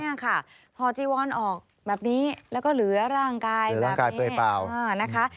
นี่ค่ะพอจีวอนออกแบบนี้แล้วก็เหลือร่างกายแบบนี้นะคะ